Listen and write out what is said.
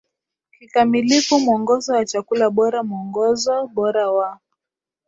kikamilifu Mwongozo wa Chakula Bora Mwongozo Bora wa